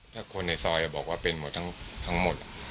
ถ้าคนในซอยบอกว่าเป็นหมดทั้งหมด